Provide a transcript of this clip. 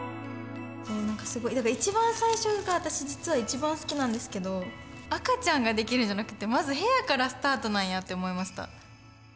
一番最初が私実は一番好きなんですけど赤ちゃんができるんじゃなくてまず部屋からスタートなんやって思いました。